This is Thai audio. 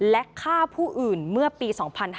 และฆ่าผู้อื่นเมื่อปี๒๕๕๙